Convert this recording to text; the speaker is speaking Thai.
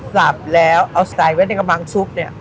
สับแล้วเอาใส่ไว้ในกำลังชุบเนี่ย